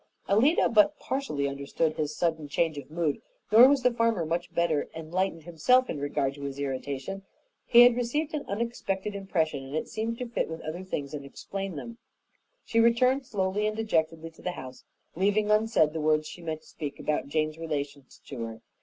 Alida but partially understood his sudden change of mood, nor was the farmer much better enlightened himself in regard to his irritation. He had received an unexpected impression and it seemed to fit in with other things and explain them. She returned slowly and dejectedly to the house, leaving unsaid the words she meant to speak about Jane's relations to her.